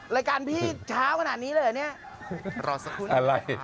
รายการพี่เช้าขนาดนี้เลยเหรอเนี่ย